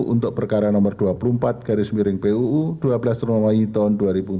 untuk perkara nomor dua puluh empat garis miring buu dua belas remoli tahun dua ribu empat belas